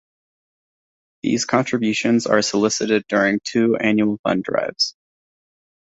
These contributions are solicited during two annual fund drives.